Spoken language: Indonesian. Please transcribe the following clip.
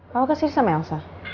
mau kesini sama elsa